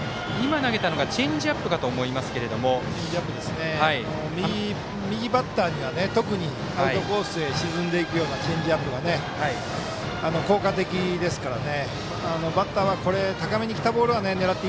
今、投げたのがチェンジアップ右バッターには特にアウトコースへ沈んでいくようなチェンジアップが効果的ですからね。